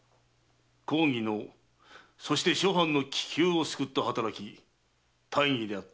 公儀のそして諸藩の危急を救った働き大儀であった。